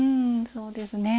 そうですね。